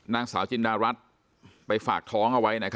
นางสาวจินดารัฐไปฝากท้องเอาไว้